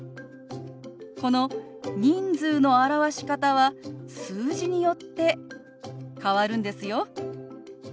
この人数の表し方は数字によって変わるんですよ。